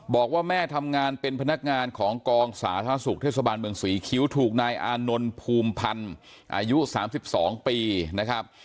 บอกว่าแม่ทำงานเป็นพนักงานของกองสาธารณสุขเทศบาลเมืองศรีคิ้วถูกนายอานนท์ภูมิพันธ์อายุ๓๒ปีนะครับ